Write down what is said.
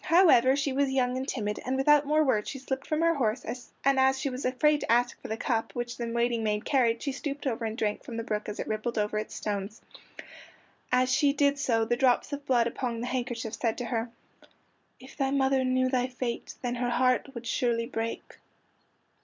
However, she was young and timid, and without more words she slipped from her horse, and as she was afraid to ask for the cup, which the waiting maid carried, she stooped over and drank from the brook as it rippled over its stones. As she did so the drops of blood upon the handkerchief said to her:— "If thy mother knew thy fate Then her heart would surely break."